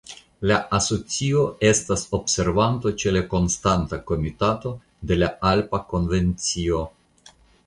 La asocio estas observanto ĉe la Konstanta Komitato de la Alpa Konvencio.